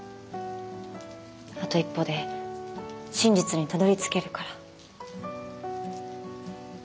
あと一歩で真実にたどりつけるから。